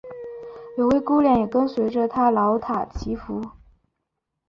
有位姑娘也跟随着他饶塔祈福。